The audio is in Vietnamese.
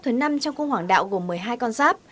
thứ năm trong cung hoảng đạo gồm một mươi hai con giáp